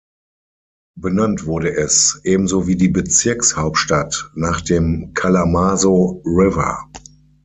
Benannt wurde es, ebenso wie die Bezirkshauptstadt, nach dem Kalamazoo River.